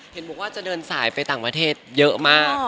เห็นบอกว่าจะเดินสายไปต่างประเทศเยอะมาก